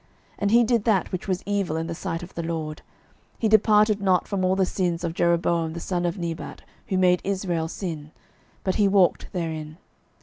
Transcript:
12:013:011 And he did that which was evil in the sight of the LORD; he departed not from all the sins of Jeroboam the son of Nebat, who made Israel sin: but he walked therein.